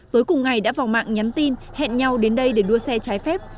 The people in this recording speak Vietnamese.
tối cùng ngày đã vào mạng nhắn tin hẹn nhau đến đây để đua xe trái phép